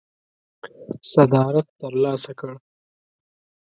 صدارت ترلاسه کړ.